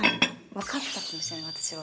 分かったかもしれない、私は。